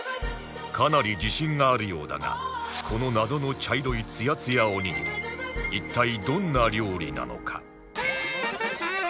かなり自信があるようだがこの謎の茶色いツヤツヤおにぎり一体どんな料理なのか？